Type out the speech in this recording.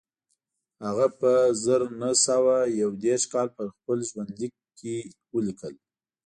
هغه په زر نه سوه یو دېرش کال په خپل ژوندلیک کې ولیکل